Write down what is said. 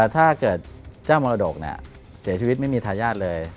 ถ้าเกิดเจ้ามรดกเสียชีวิตไม่มีทายาทเลย